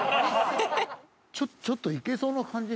ちょっといけそうな感じ。